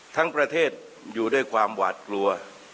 ทั้งประเทศอยู่ด้วยความหวาดกลัว